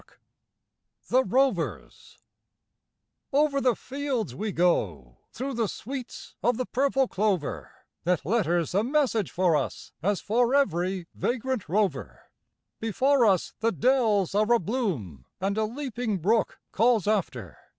57 THE ROVERS Over the fields we go, through the sweets of the purple clover, That letters a message for us as for every vagrant rover ; Before us the dells are abloom, and a leaping brook calls after.